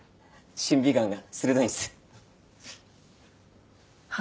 審美眼が鋭いんす。